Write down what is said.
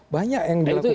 banyak yang dilakukan